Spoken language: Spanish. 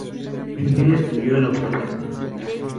El guion lo escribió el autor del libro.